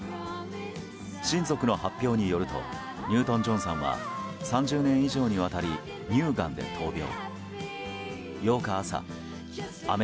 親族の発表によるとニュートン・ジョンさんは３０年以上にわたり乳がんで闘病。